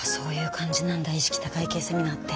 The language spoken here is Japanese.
意識高い系セミナーって。